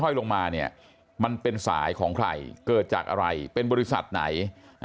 ลงมาเนี่ยมันเป็นสายของใครเกิดจากอะไรเป็นบริษัทไหน